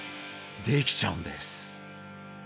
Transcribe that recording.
できちゃうんです！